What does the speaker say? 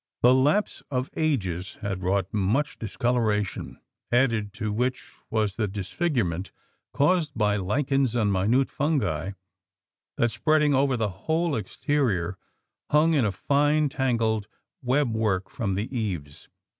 The lapse of ages had wrought much discolouration, added to which was the disfigurement caused by lichens and minute fungi that, spreading over the whole exterior, hung in a fine tangled web work from the eaves.